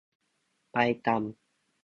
ไปตำ